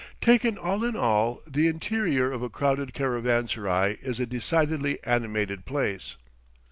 Taken all in all, the interior of a crowded caravanserai is a decidedly animated place.